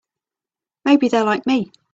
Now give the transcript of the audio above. Maybe they're like me.